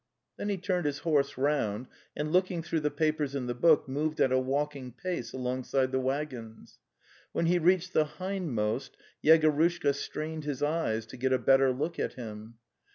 Then he turned his horse round and, looking through the papers in the book, moved at a walking pace alongside the waggons. When he reached the hindmost, Yegorushka strained his eyes to get a better look at him.